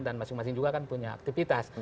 dan masing masing juga kan punya aktivitas